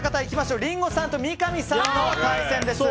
リンゴさんと三上さんの対決です。